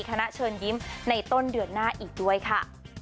คณะเชิญยิ้มในต้นเดือนหน้าอีกด้วยค่ะ